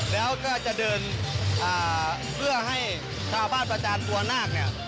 แล้วก็จะเดินเพื่อให้ชาวบ้านประจานบัวนาคเนี่ย